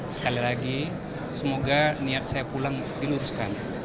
sekali lagi semoga niat saya pulang diluruskan